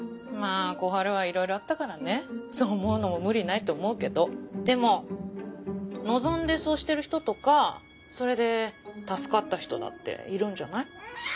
まぁ小春はいろいろあったからねそう思うのも無理ないと思うけどでも望んでそうしてる人とかそれで助かった人だっているんじゃない？